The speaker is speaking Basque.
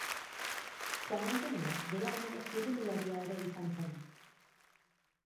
Juan Antonio bere anaia txirrindularia ere izan zen.